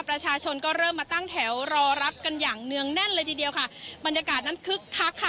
ประชาชนก็เริ่มมาตั้งแถวรอรับกันอย่างเนื่องแน่นเลยทีเดียวค่ะบรรยากาศนั้นคึกคักค่ะ